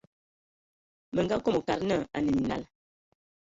Mə nga kom wa kad nə a nə minal.